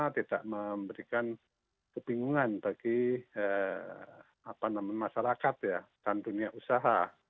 tidak memberikan kebingungan bagi masyarakat ya dan dunia usaha